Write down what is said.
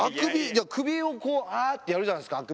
首をこうあってやるじゃないですか。